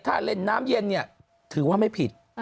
ถ้าเล่นน้ำเย็นเนี่ยถือว่าไม่ผิด